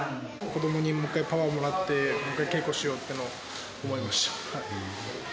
子どもにもう一回パワーをもらって、もう一回、稽古しようというのを思いました。